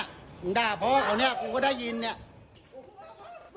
จังหวะตรงนี้เนี่ยหลังจากเกิดเหตุการณ์ยิงไปแล้วเนี่ย